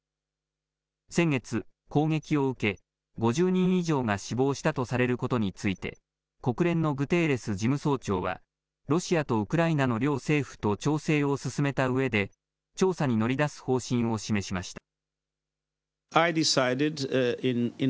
先月、攻撃を受け、５０人以上が死亡したとされることについて、国連のグテーレス事務総長は、ロシアとウクライナの両政府と調整を進めたうえで、調査に乗り出す方針を示しました。